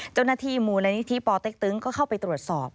เจ้าหน้าที่มูลนิธิปอเต็กตึงก็เข้าไปตรวจสอบ